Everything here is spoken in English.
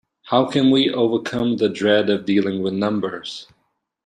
How can we overcome the dread of dealing with numbers?